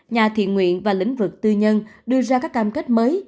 nhà thiện nguyện và lĩnh vực tư nhân đưa ra các cam kết mới